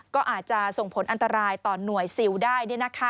ก็อาจจะส่งผลอันตรายต่อหน่วยซิลได้